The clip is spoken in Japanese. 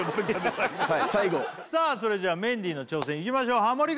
最後はい最後さあそれじゃメンディーの挑戦いきましょうハモリ